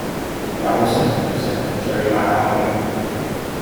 有食唔食，罪大惡極